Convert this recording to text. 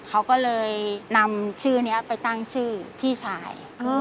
เขาก็เลยนำชื่อนี้ไปตั้งชื่อพี่ชาย